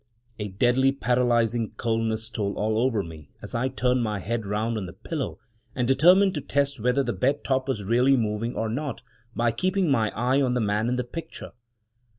A deadly paralysing coldness stole all over me as I turned my head round on the pillow and determined to test whether the bed top was really moving or not, by keeping my eye on the man in the picture.